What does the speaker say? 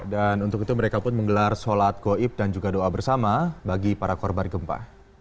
dan untuk itu mereka pun menggelar sholat goib dan juga doa bersama bagi para korban gempa